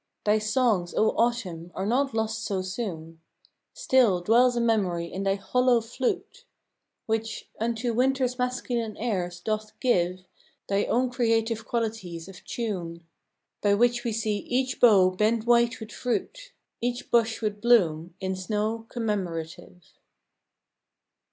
Thy songs, O Autumn, are not lost so soon! Still dwells a memory in thy hollow flute, Which, unto Winter's masculine airs, doth give Thy own creative qualities of tune, By which we see each bough bend white with fruit, Each bush with bloom, in snow commemorative.